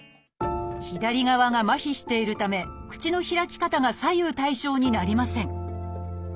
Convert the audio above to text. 左側が麻痺しているため口の開き方が左右対称になりません。